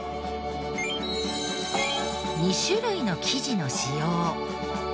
２種類の生地の使用。